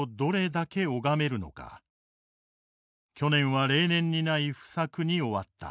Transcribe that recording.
去年は例年にない不作に終わった。